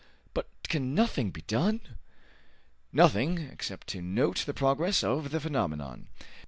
"But can nothing be done?" "Nothing, except to note the progress of the phenomenon.